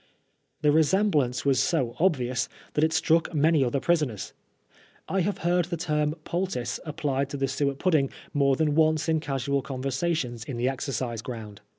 The resemblance was so obvious that it struck many other prisoners. I have heard the term poultice applied to the suet pudding more than once in casual conversations in the exercise ground.